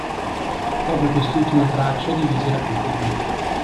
Proprio quest'ultima traccia divise la critica.